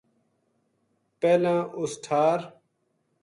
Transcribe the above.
پہلاں اس ٹھار